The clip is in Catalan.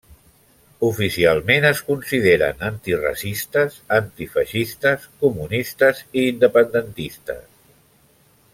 Oficialment es consideren antiracistes, antifeixistes, comunistes i independentistes.